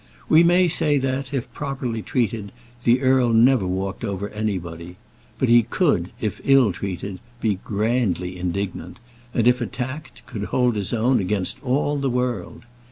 We may say that, if properly treated, the earl never walked over anybody. But he could, if ill treated, be grandly indignant; and if attacked, could hold his own against all the world.